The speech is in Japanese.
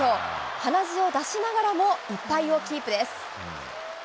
鼻血を出しながらも１敗をキープです。